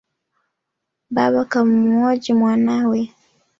Baba kammuhoji mwanawe